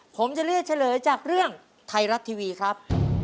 ผมจะเลือกเฉลยจากเรื่องไทยรัฐทีวีครับ